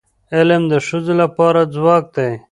علم د ښځو لپاره ځواک دی.